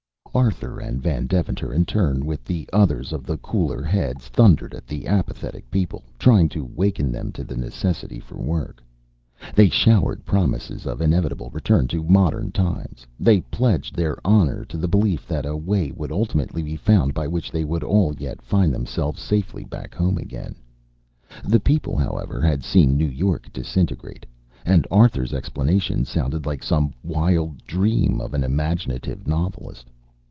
Arthur and Van Deventer, in turn with the others of the cooler heads, thundered at the apathetic people, trying to waken them to the necessity for work. They showered promises of inevitable return to modern times, they pledged their honor to the belief that a way would ultimately be found by which they would all yet find themselves safely back home again. The people, however, had seen New York disintegrate, and Arthur's explanation sounded like some wild dream of an imaginative novelist.